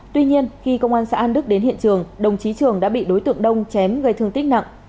tuy nhiên khi công an xã an đức đến hiện trường đồng chí trường đã bị đối tượng đông chém gây thương tích nặng